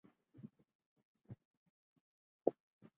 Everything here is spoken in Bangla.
তারা প্রথাগত অভিজাতদের একচেটিয়া ক্ষমতার বিরোধিতা করে।